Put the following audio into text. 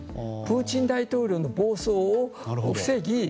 プーチン大統領の暴走を防ぎ